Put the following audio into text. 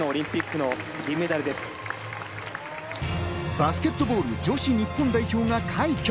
バスケットボール女子日本代表が快挙。